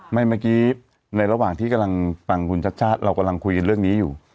เมื่อกี้ในระหว่างที่กำลังฟังคุณชาติชาติเรากำลังคุยกันเรื่องนี้อยู่